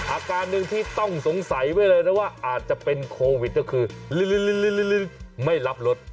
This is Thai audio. อาการหนึ่งที่ต้องสงสัยไว้เลยนะว่าอาจจะเป็นโควิดก็คือลื้อไม่รับรถ